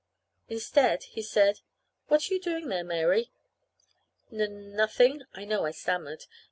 Instead he said: "What are you doing there, Mary?" "N nothing." I know I stammered.